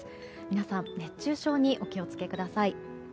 皆さん、熱中症にお気を付けください。